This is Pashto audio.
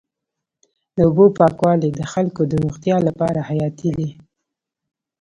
د اوبو پاکوالی د خلکو د روغتیا لپاره حیاتي دی.